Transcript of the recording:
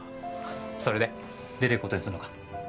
それで出ていくことにすんのか？